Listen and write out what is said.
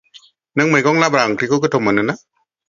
नों मैगं लाब्रा ओंख्रिखौ गोथाव मोनो ना?